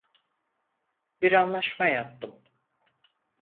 Bir anlaşma yaptım.